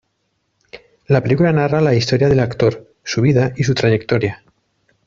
La película narra la historia del actor, su vida y su trayectoria.